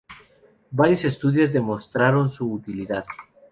Varios estudios" demostraron su utilidad.